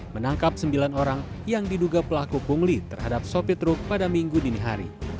menangkap sembilan orang yang diduga pelaku pungli terhadap sopi truk pada minggu dini hari